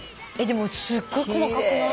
すっごい細かくない？